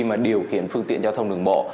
mà điều khiển phương tiện giao thông đường bộ